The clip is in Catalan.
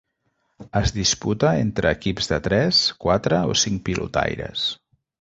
Es disputa entre equips de tres, quatre o cinc pilotaires.